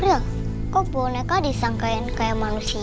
kak april kok boneka disangkaian kayak manusia